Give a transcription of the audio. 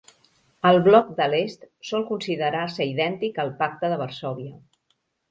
El Bloc de l'Est sol considerar-se idèntic al Pacte de Varsòvia.